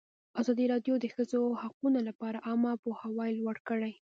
ازادي راډیو د د ښځو حقونه لپاره عامه پوهاوي لوړ کړی.